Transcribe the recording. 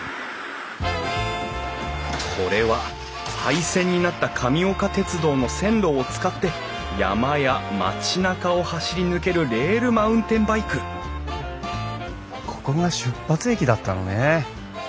これは廃線になった神岡鉄道の線路を使って山や町なかを走り抜けるレールマウンテンバイクここが出発駅だったのね。